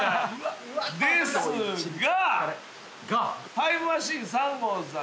ですが。